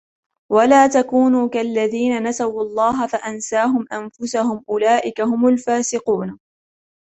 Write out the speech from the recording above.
وَلَا تَكُونُوا كَالَّذِينَ نَسُوا اللَّهَ فَأَنْسَاهُمْ أَنْفُسَهُمْ أُولَئِكَ هُمُ الْفَاسِقُونَ